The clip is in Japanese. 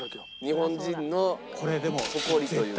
日本人の誇りというか。